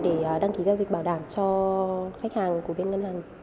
để đăng ký giao dịch bảo đảm cho khách hàng của bên ngân hàng